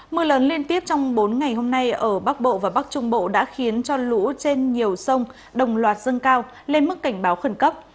mưa lớn liên tiếp trong bốn ngày hôm nay ở bắc bộ và bắc trung bộ đã khiến cho lũ trên nhiều sông đồng loạt dâng cao lên mức cảnh báo khẩn cấp